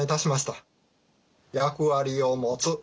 役割を持つ。